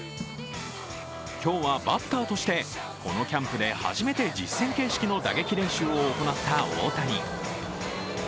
今日はバッターとしてこのキャンプで初めて実戦形式の打撃練習を行った大谷。